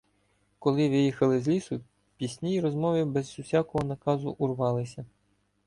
Коли виїхали з лісу, пісні й розмови без усякого наказу урвалися.